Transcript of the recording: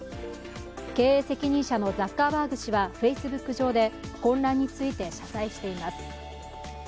経営責任者のザッカーバーグ氏はＦａｃｅｂｏｏｋ上で混乱について謝罪しています。